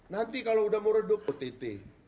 nanti kalau udah mureduk ott